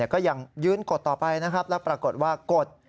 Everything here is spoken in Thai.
ก็ยังยืนกดต่อไปนะครับแล้วปรากฏว่ากด